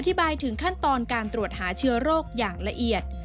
อธิบายถึงขั้นตอนการตรวจหาเชื้อโรคอย่างละเอียด